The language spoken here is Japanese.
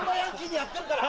今やってるから。